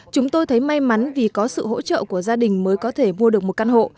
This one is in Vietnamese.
chúng tôi thấy may mắn vì có sự hỗ trợ của gia đình mới có thể mua được một căn hộ